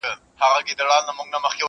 یو څو شپې یې کورته هیڅ نه وه ور وړي.